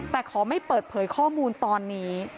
แต่ขอไม่เปิดเผยข้อมูลตอนนี้